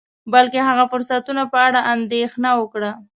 بلکې د هغه فرصتونو په اړه اندیښنه وکړه